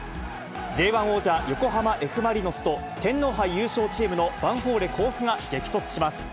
Ｊ１王者、横浜Ｆ・マリノスと、天皇杯王者、ヴァンフォーレ甲府が激突します。